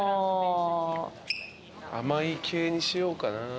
甘い系にしようかな。